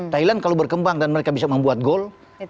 thailand kalau berkembang dan mereka bisa membuat gol